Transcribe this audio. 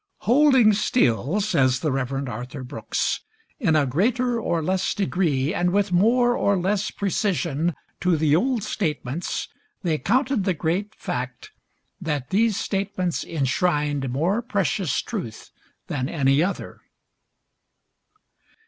"Holding still," says the Rev. Arthur Brooks, "in a greater or less degree, and with more or less precision, to the old statements, they counted the great fact that these statements enshrined more precious truth than any other."